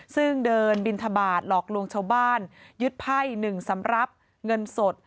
ซึ่งเดินบินทบาทหลอกลวงชาวบ้านยึดไพ่๑สำหรับเงินสด